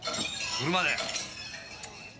車だよっ！